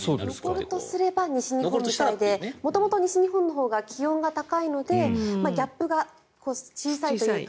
残るとすれば西日本みたいで元々、西日本のほうが気温が高いのでギャップが小さいというか。